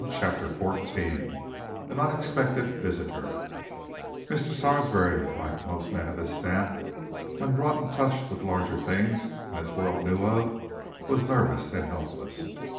CHAPTER XIV AN UNEXPECTED VISITOR Mr. Sarsby, like most men of his stamp, when brought in touch with larger things than his world knew of, was nervous and helpless.